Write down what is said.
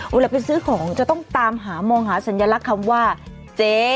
เวลาไปซื้อของจะต้องตามหามองหาสัญลักษณ์คำว่าเจ๊